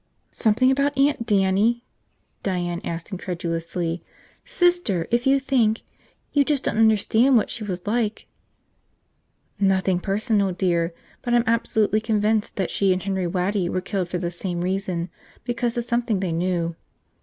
"Something about Aunt Dannie?" Diane asked incredulously. "Sister, if you think ... you just don't understand what she was like ..." "Nothing personal, dear. But I'm absolutely convinced that she and Henry Waddy were killed for the same reason, because of something they knew."